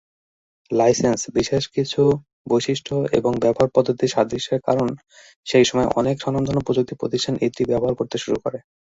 Licence, বিশেষ কিছু বৈশিষ্ট্য এবং ব্যবহার পদ্ধতির সাদৃশ্যের কারণ সেই সময়ের অনেক স্বনামধন্য প্রযুক্তি প্রতিষ্ঠান এটি ব্যবহার করতে শুরু করে।